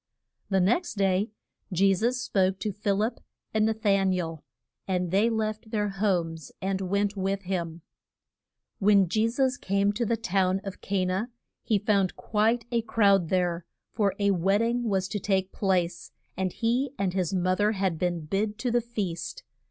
The next day Je sus spoke to Phil ip and Na than i el, and they left their homes and went with him. [Illustration: THE MAR RIAGE IN CA NA.] When Je sus came to the town of Ca na he found quite a crowd there, for a wed ding was to take place, and he and his mo ther had been bid to the feast.